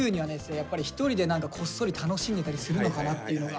やっぱり一人で何かこっそり楽しんでたりするのかなっていうのが。